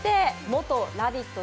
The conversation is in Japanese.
元「ラヴィット！」